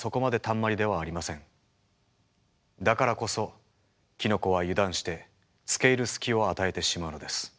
だからこそキノコは油断してつけいる隙を与えてしまうのです。